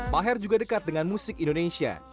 maher juga dekat dengan musik indonesia